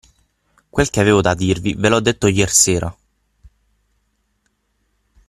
Quel che avevo da dirvi ve l'ho detto iersera.